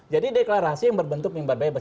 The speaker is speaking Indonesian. jadi deklarasi yang berbentuk imbar bebas